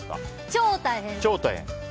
超大変！